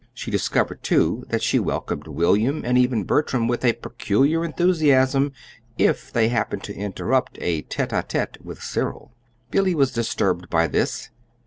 She discovered, too, that she welcomed William, and even Bertram, with peculiar enthusiasm if they happened to interrupt a tete a tete with Cyril. Billy was disturbed at this.